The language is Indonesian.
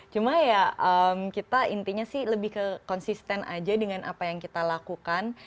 cuma ya kita intinya sih lebih ke konsisten aja dengan apa yang kita lakukan